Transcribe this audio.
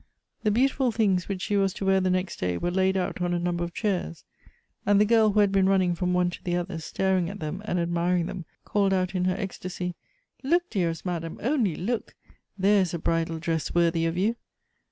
The beautiful things which she was to wear the next day were Laid out on a number of chairs; and the girl, who had been running from one to the other, staring at them and admiring them, called out in her ecstasy, " Look, dearest madam, only look ! There is a bridal dress worthy of you."